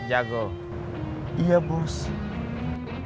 yang pertama kita mau mulai sama dia